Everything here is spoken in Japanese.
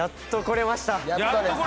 やっとです。